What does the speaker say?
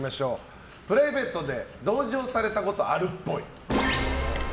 プライベートで同情されたことあるっぽい。